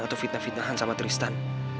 atau fitnah fitnahan sama tristan